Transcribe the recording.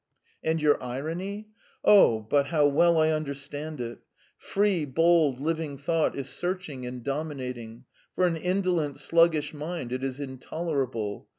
"And your irony? Oh, but how well I understand it! Free, bold, living thought is searching and dominating; for an indolent, sluggish mind it is intolerable.